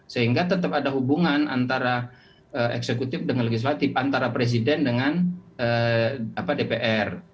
sehingga tetap ada hubungan antara eksekutif dengan legislatif antara presiden dengan dpr